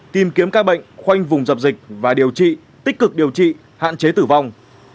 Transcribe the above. tìm kiếm ca bệnh khoanh vùng dập dịch và điều trị tích cực điều trị hạn chế tử vong